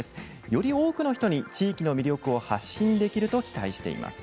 より多くの人に地域の魅力を発信できると期待しています。